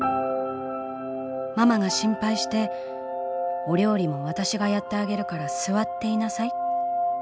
ママが心配して『お料理も私がやってあげるから座っていなさい』。